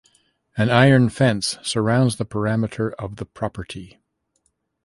An iron fence surrounds the parameter of the property.